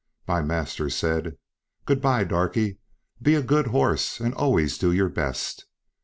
My master said, "Good bye, Darkie; be a good horse and always do your best."